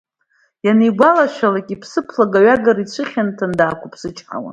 Ианааигәалашәалак, иԥсыԥ лагаҩагара ицәыхьанҭаны даақәыԥсычҳауан.